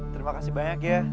terima kasih banyak ya